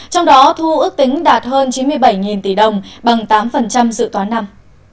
trong đó thu ước tính đạt hơn chín mươi bảy tỷ đồng bằng tám dự toán năm